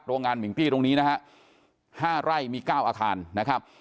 โรงงานมิงกี้ตรงนี้นะฮะ๕ไร่มี๙อาคารนะครับ